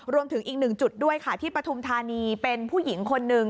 รวมถึงอีกหนึ่งจุดด้วยค่ะที่ปฐุมธานีเป็นผู้หญิงคนหนึ่ง